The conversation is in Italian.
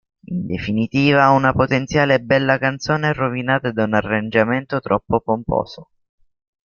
In definitiva, una potenziale bella canzone rovinata da un arrangiamento troppo pomposo.